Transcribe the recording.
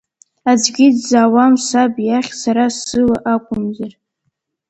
Аӡәгьы дзаауам Саб иахь, Сара сыла акәымзар.